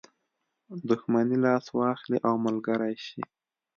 دښمني لاس واخلي او ملګری شي.